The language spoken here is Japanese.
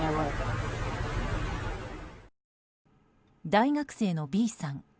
大学生のＢさん。